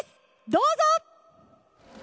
どうぞ。